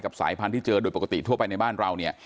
สายพันธุ์ที่เจอโดยปกติทั่วไปในบ้านเราเนี่ย